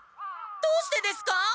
どうしてですか？